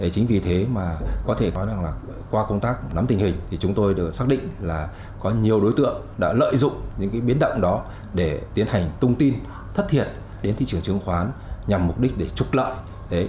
chính vì thế mà có thể nói rằng là qua công tác nắm tình hình thì chúng tôi được xác định là có nhiều đối tượng đã lợi dụng những biến động đó để tiến hành tung tin thất thiệt đến thị trường chứng khoán nhằm mục đích để trục lợi